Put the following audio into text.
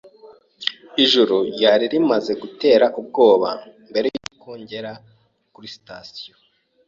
Ijuru ryari rimaze gutera ubwoba mbere yuko ngera kuri sitasiyo.